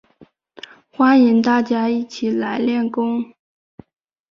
欢迎大家一起来练功